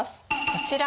こちら。